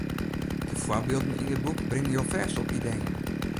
De foarbylden yn dit boek bringe jo fêst op ideeën.